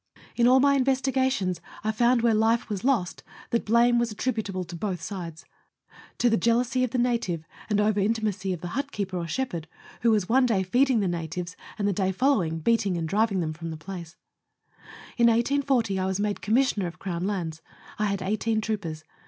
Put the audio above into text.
In all my investigations I found where life was lost that blame was attributable to both sides to the jealousy of the native and over intimacy of the hut keeper or shepherd, who was one day feeding the natives and the day following beating and driving them from the pl,ace. In 1840 I was made Commissioner of Crown Lands. I had eighteen troopers.